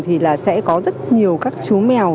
thì sẽ có rất nhiều các chú mèo